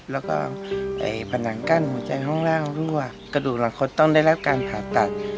แล้วก็ผนังกั้นหัวใจห้องล่างรั่วกระดูกหลังคดต้องได้รับการผ่าตัด